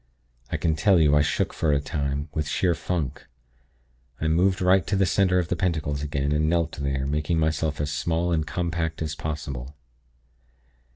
I can tell you, I shook for a time, with sheer funk. I moved right to the center of the pentacles again, and knelt there, making myself as small and compact as possible.